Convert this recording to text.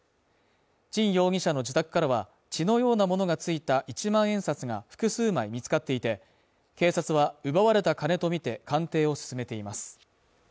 陳容疑者の自宅からは血のようなものが付いた一万円札が複数枚見つかっていて、警察は奪われた金とみて鑑定を進めています。